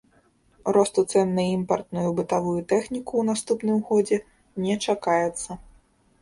Росту цэн на імпартную бытавую тэхніку ў наступным годзе не чакаецца.